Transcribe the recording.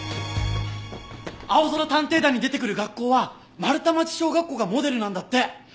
『あおぞら探偵団』に出てくる学校は丸太町小学校がモデルなんだって！